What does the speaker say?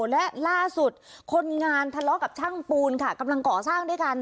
และล่าสุดคนงานทะเลาะกับช่างปูนค่ะกำลังก่อสร้างด้วยกัน